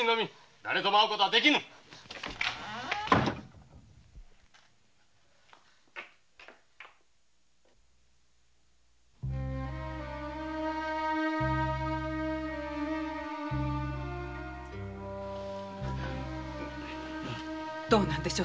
だれとも会う事は出来ぬどうなんでしょう？